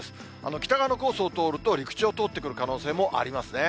北側のコースを通ると陸地を通ってくる可能性もありますね。